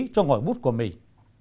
cho ngõi bút của mình